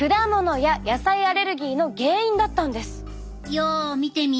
よう見てみ。